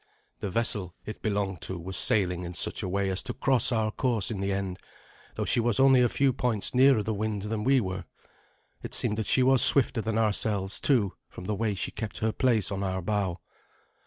The vessel it belonged to was sailing in such a way as to cross our course in the end, though she was only a few points nearer the wind than we were. It seemed that she was swifter than ourselves, too, from the way she kept her place on our bow.